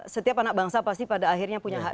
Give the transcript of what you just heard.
setiap anak bangsa pasti pada akhirnya punya hak